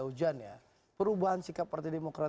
hujan ya perubahan sikap partai demokrat